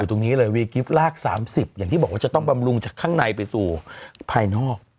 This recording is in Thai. ตรงนี้เลยวีกิฟต์ลาก๓๐อย่างที่บอกว่าจะต้องบำรุงจากข้างในไปสู่ภายนอก